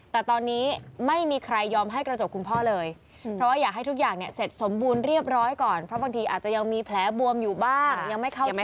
แต่ตอนนี้ไม่มีใครยอมให้กระจกคุณพ่อเลยเพราะว่าอยากให้ทุกอย่างเนี่ยเสร็จสมบูรณ์เรียบร้อยก่อนเพราะบางทีอาจจะยังมีแผลบวมอยู่บ้างยังไม่เข้า